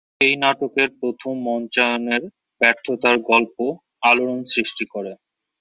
এই নাটকের প্রথম মঞ্চায়নের ব্যর্থতার গল্প আলোড়ন সৃষ্টি করে।